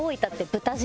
豚汁？